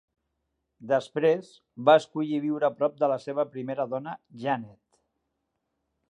Després, va escollir viure a prop de la seva primera dona Janet.